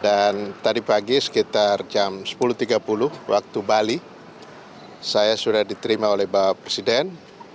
dan tadi pagi sekitar jam sepuluh tiga puluh waktu bali saya sudah diterima oleh bapak presiden